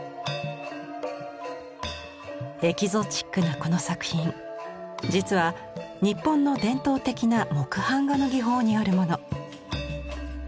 エキゾチックなこの作品実は日本の伝統的な木版画の技法によるもの。